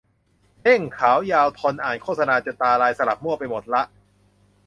เด้ง ยาว ขาว ทน อ่านโฆษณาจนตาลาย สลับมั่วไปหมดละ